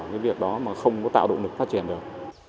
những việc đó mà không có tạo độ nực phát triển được